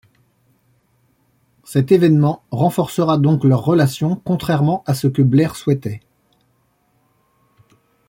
Cet évènement renforcera donc leur relation, contrairement à ce que Blair souhaitait.